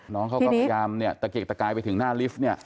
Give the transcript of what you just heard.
น้องเขาก็พยายามเนี่ยตะเกียกตะกายไปถึงหน้าลิฟต์เนี่ย